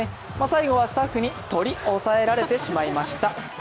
最後はスタッフにトリ押さえられてしまいました。